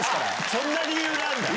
そんな理由なんだ。